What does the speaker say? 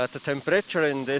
suhu di sini